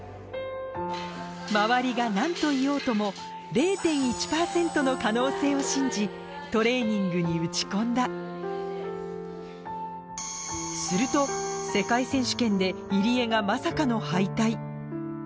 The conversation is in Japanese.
周りが何と言おうともトレーニングに打ち込んだすると世界選手権で入江がまさかの敗退